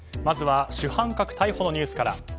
まずは主犯格逮捕のニュースから。